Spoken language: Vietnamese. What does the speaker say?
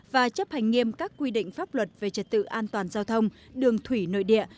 và chấp hành nghiêm các quy định pháp luật về trật tự an toàn giao thông đường thủy nội địa